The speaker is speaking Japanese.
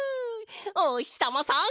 おひさまさん